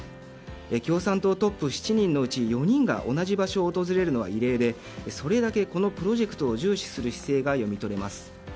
共産党トップ７人のうち４人が同じ場所を訪れるのは異例でそれだけ、このプロジェクトを重視する姿勢が読み取れます。